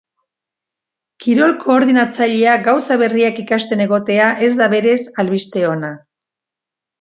Kirol koordinatzailea gauza berriak ikasten egotea ez da berez albiste ona.